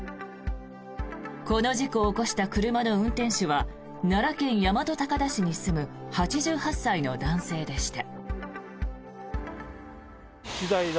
この事故を起こした車の運転手は奈良県大和高田市に住む８８歳の男性でした。